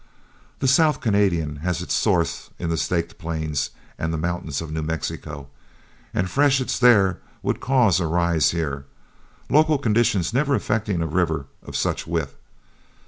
The South Canadian has its source in the Staked Plains and the mountains of New Mexico, and freshets there would cause a rise here, local conditions never affecting a river of such width.